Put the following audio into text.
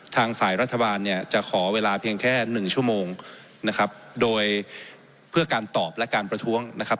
ทางฝ่ายรัฐบาลเนี่ยจะขอเวลาเพียงแค่หนึ่งชั่วโมงนะครับโดยเพื่อการตอบและการประท้วงนะครับ